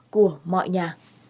của mọi nhà